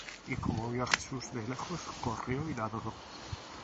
Y como vió á Jesús de lejos, corrió, y le adoró.